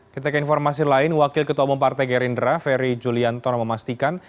kita ke informasi lain wakil ketua umum partai gerindra ferry juliantono memastikan